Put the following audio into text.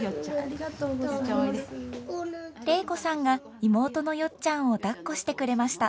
レイコさんが妹のよっちゃんをだっこしてくれました。